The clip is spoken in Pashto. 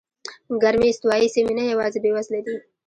ګرمې استوایي سیمې نه یوازې بېوزله دي.